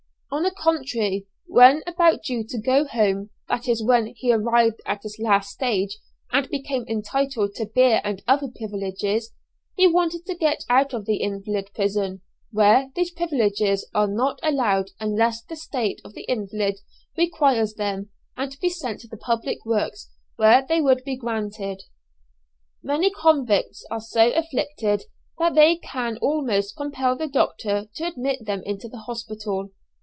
On the contrary, when about due to go home, that is when he arrived at his last stage, and became entitled to beer and other privileges, he wanted to get out of the invalid prison, where these privileges are not allowed unless the state of the invalid requires them, and to be sent to the public works where they would be granted. Many convicts are so afflicted that they can almost compel the doctor to admit them into the hospital.